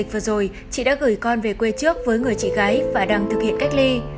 trước giãn cách vừa rồi chị đã gửi con về quê trước với người chị gái và đang thực hiện cách ly